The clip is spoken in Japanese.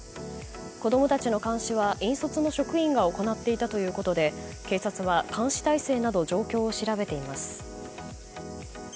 子供たちの監視は引率の職員が行っていたということで警察は監視体制など状況を調べています。